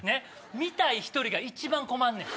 見たい１人が一番困んねん。